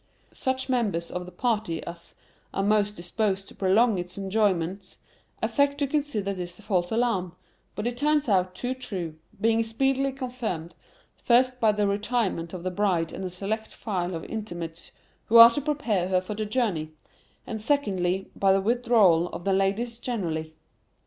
Such members of the party as are most disposed to prolong its enjoyments, affect to consider this a false alarm, but it turns out too true, being speedily confirmed, first by the retirement of the bride and a select file of intimates who are to prepare her for the journey, and secondly by the withdrawal of the ladies generally.